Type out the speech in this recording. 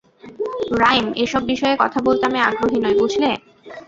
Rhyme, এসব বিষয়ে কথা বলতে আমি আগ্রহী নই, বুঝলে?